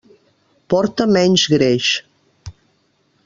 Porta menys greix.